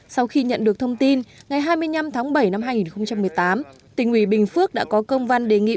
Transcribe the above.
sau khi nhận được thông tin ngày hai mươi năm tháng bảy năm hai nghìn một mươi tám tỉnh ubnd đã có công văn đề nghị